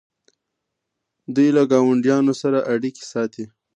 دوی له ګاونډیانو سره اړیکې ساتي.